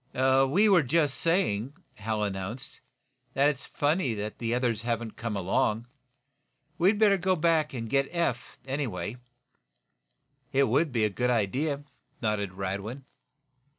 "We were just saying," Hal announced, "that it's funny the others haven't come along. We better go back and get Eph, anyway?" "It will be a good idea," nodded Radwin.